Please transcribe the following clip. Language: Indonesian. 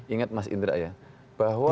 ingat mas indra ya